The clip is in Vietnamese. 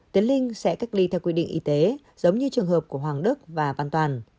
tiến linh sẽ cách ly theo quy định y tế giống như trường hợp của hoàng đức và văn toàn